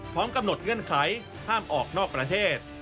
พร้อมกำหนดเงื่อนไขห้ามออกนอกประเทศ